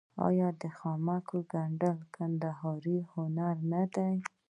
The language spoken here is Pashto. آیا د خامک ګنډل د کندهار هنر نه دی؟